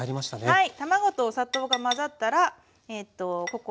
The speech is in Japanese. はい。